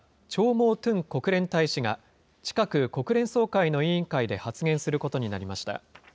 モー・トゥン国連大使が、近く、国連総会の委員会で発言することになりました。